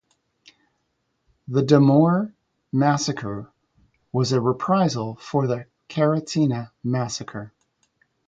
The Damour massacre was a reprisal for the Karantina massacre.